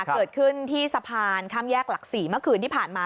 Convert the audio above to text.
เกิดขึ้นที่สะพานข้ามแยกหลัก๔เมื่อคืนที่ผ่านมา